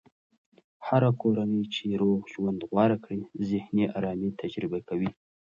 هره کورنۍ چې روغ ژوند غوره کړي، ذهني ارامي تجربه کوي.